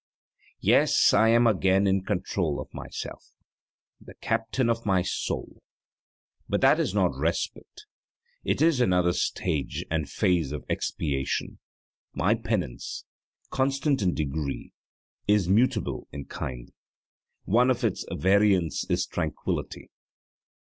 Yes, I am again in control of myself: 'the captain of my soul.' But that is not respite; it is another stage and phase of expiation. My penance, constant in degree, is mutable in kind: one of its variants is tranquillity.